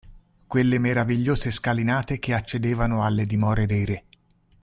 quelle meravigliose scalinate che accedevano alle dimore dei re…